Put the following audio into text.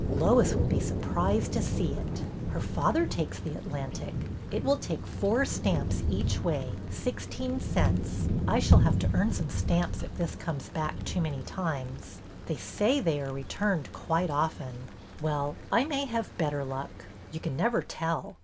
Lois will be surprised to see it. Her father takes The Atlantic. It will take four stamps each way, — sixteen cents. I shall have to earn some stamps if this comes back too many times. They say they are returned quite often. Well, I may have better luck. You can never tell.